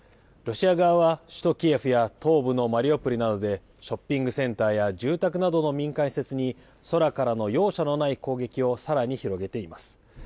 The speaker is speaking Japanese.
ロシア側は、首都キエフや東部のマリウポリなどで、ショッピングセンターや住宅などの民間施設に、空からの容赦のない攻撃を、さらに広げています。